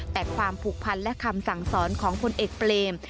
แต่ความผูกพันและคำสั่งสอนของพลเอกเปรม